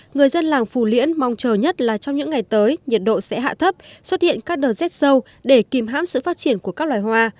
người dân làng phù liễn mong chờ nhất là trong những ngày tới nhiệt độ sẽ hạ thấp xuất hiện các đợt rét sâu để kìm hãm sự phát triển của các loài hoa